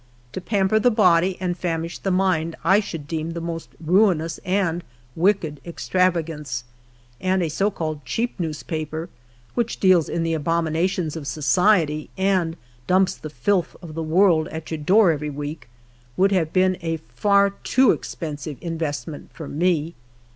To pamper the body and famish the mind I should deem the most ruinous and wicked extravagance ; and a so called cheap newspaper, which deals in the *' abomina tions of society, and dumps the tilth of the world " at your door every week, would have been a far too expensive in vestment for me.